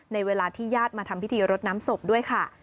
ในเวลาที่ญาติมาทำพิธีรดน้ำศพด้วยค่ะ